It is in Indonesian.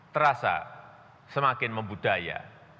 terasa semakin membudaya